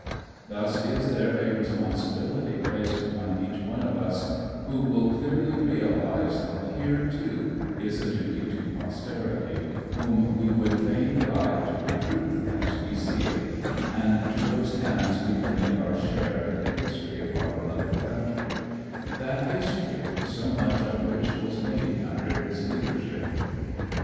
Thus is there a responsibility placed upon each one of us who will clearly realize that here, too, is a duty to posterity, whom we would fain guide to the truth as we see it, and to whose hands we commit our share in the history of our beloved country that history so much of which was made under his leadership.